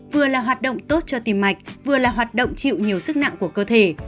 vừa là hoạt động tốt cho tim mạch vừa là hoạt động chịu nhiều sức nặng của cơ thể